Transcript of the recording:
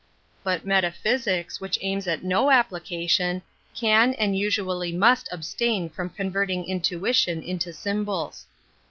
But metaphysics, which aims at no application, can and usually must abstain from converting intuition into sym , bo Is.